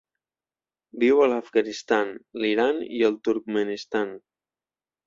Viu a l'Afganistan, l'Iran i el Turkmenistan.